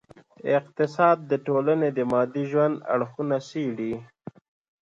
اقتصاد د ټولني د مادي ژوند اړخونه څېړي.